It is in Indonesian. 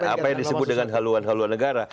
apa yang disebut dengan haluan haluan negara